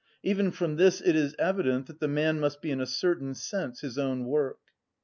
Even from this it is evident that the man must be in a certain sense his own work.